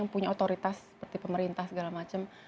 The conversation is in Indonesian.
yang punya otoritas seperti pemerintah segala macem